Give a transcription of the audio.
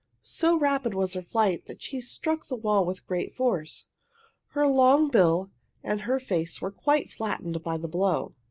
So rapid was her flight that she struck the wall with great force. Her long bill and her face were quite flattened by the blow.